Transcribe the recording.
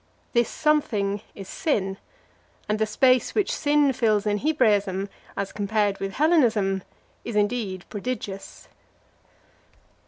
This something is sin; and the space which sin fills in Hebraism, as compared with Hellenism, is indeed prodigious.